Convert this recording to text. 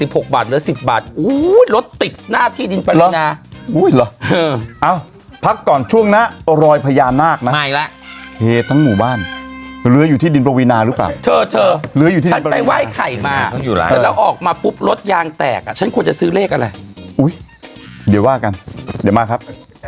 ปรินารถจากสิบหกบาทเหลือสิบบาทอุ๋ยรถติดหน้าที่ดนปราบ